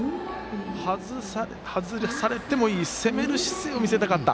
外されてもいい攻める姿勢を見せたかった。